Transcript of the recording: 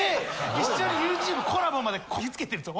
一緒にＹｏｕＴｕｂｅコラボまでこぎつけてるんです。